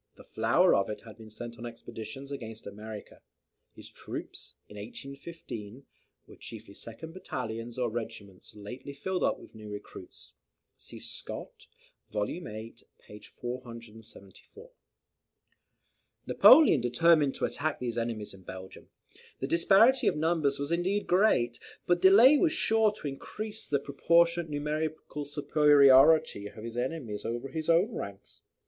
The flower of it had been sent on the expeditions against America. His troops, in 1815, were chiefly second battalions, or regiments lately filled up with new recruits. See Scott, vol viii. p. 474.] Napoleon determined to attack these enemies in Belgium. The disparity of numbers was indeed great, but delay was sure to increase the proportionate numerical superiority of his enemies over his own ranks.